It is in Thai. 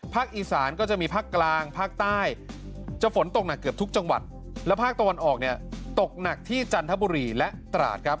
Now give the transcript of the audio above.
อีสานก็จะมีภาคกลางภาคใต้จะฝนตกหนักเกือบทุกจังหวัดและภาคตะวันออกเนี่ยตกหนักที่จันทบุรีและตราดครับ